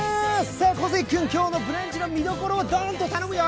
小関君、今日の「ブランチ」の見どころをガンと頼むよ。